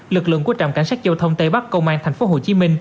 lực lượng của trạm cảnh sát giao thông tây bắc công an tp hcm